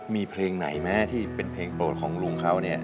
มีเพลงไหนแม่ที่เป็นเพลงโปรดของลุงเขา